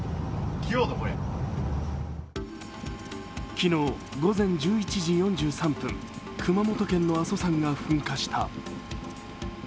昨日午前１１時４３分、熊本県の阿蘇山が噴火した。